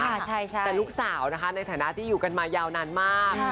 แต่ลูกสาวนะคะในฐานะที่อยู่กันมายาวนานมาก